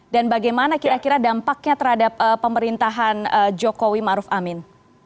dan bagaimana kira kira dampaknya terhadap pemerintahan jokowi maruf amin